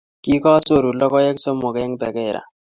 kikosoru lagoik somok eng' perkerra